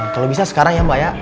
kalau bisa sekarang ya mbak ya